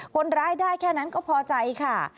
คนร้ายได้แค่นั้นก็พอใจค่ะ